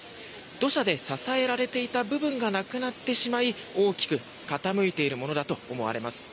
土砂で支えられていた部分がなくなってしまい大きく傾いているものだと思われます。